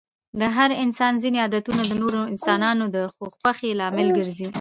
د هر انسان ځيني عادتونه د نورو انسانانو د خوښی لامل ګرځي.